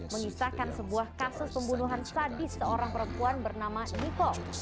mengisahkan sebuah kasus pembunuhan sadis seorang perempuan bernama niko